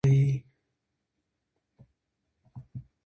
په سړک کې احتیاط وکړئ